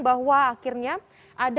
bahwa akhirnya ada dua